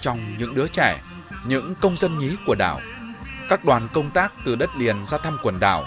trong những đứa trẻ những công dân nhí của đảo các đoàn công tác từ đất liền ra thăm quần đảo